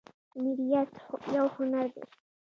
میریت یو هنر دی